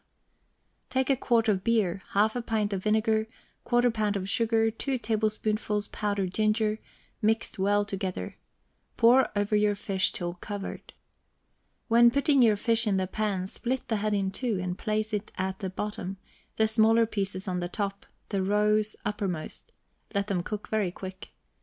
Take a quart of beer, half a pint of vinegar, quarter pound of sugar, two tablespoonfuls powdered ginger, mixed well together, pour over your fish till covered. When putting your fish in the pan, split the head in two, and place it at the bottom, the smaller pieces on the top, the rows uppermost; let them cook very quick.